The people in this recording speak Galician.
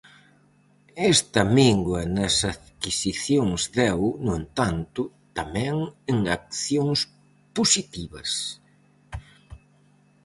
Esta mingua nas adquisicións deu, no entanto, tamén en accións positivas.